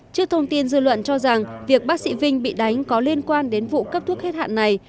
trước thông tin dư luận cho rằng việc bác sĩ vinh bị đánh có liên quan đến vụ cấp thuốc hết hạn này